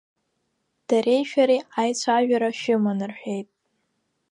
Дареи шәареи аицәажәара шәыман рҳәеит.